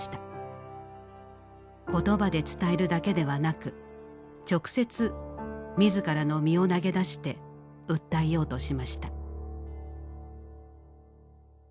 言葉で伝えるだけではなく直接自らの身を投げ出して訴えようとしました。